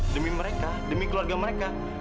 demi mereka demi keluarga mereka